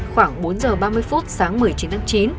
khoảng bốn giờ ba mươi phút sáng một mươi chín tháng chín